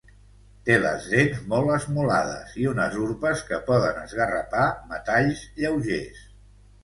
Té les dents molt esmolades i unes urpes que poden esgarrapar metalls lleugers.